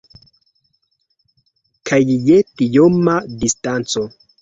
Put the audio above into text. Kaj je tioma distanco!